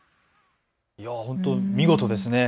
本当に見事ですね。